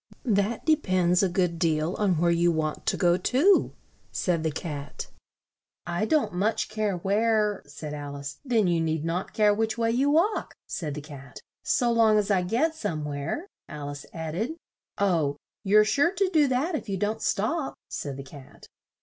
"That de pends a good deal on where you want to go to," said the Cat. "I don't much care where " said Al ice. "Then you need not care which way you walk," said the Cat. " so long as I get somewhere," Al ice add ed. "Oh, you're sure to do that if you don't stop," said the Cat.